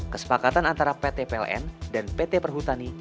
kesepakatan antara pt pln dan pt perhutani